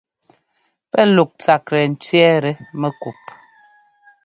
Pɛ́ luk tsaklɛ cwiɛ́tɛ mɛkup.